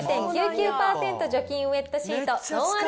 除菌ウエットシート